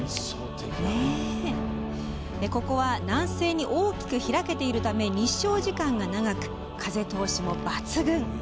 ここは南西に大きく開けているため日照時間が長く、風通しも抜群。